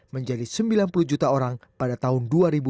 menjadi sembilan puluh juta orang pada tahun dua ribu dua puluh